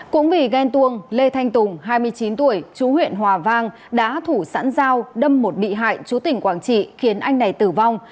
cũng vì ghen tuông lê thanh tùng hai mươi chín tuổi chú huyện hòa vang đã thủ sẵn dao đâm một bị hại chú tỉnh quảng trị khiến anh này tử vong